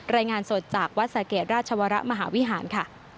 รายงานสดจากวัดสะเกดราชวรมหาวิหารค่ะ